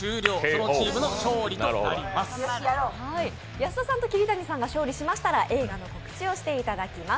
安田さんと桐谷さんが勝利しましたら、映画の告知をしていただきます。